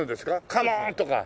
カモーンとか。